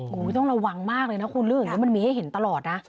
โอ้โฮต้องระวังมากเลยนะคุณลื่นมันมีให้เห็นตลอดนะ